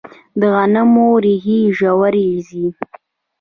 د غنمو ریښې ژورې ځي.